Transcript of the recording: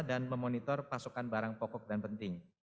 dan memonitor pasokan barang pokok dan penting